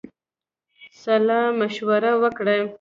سلامشوره وکړی.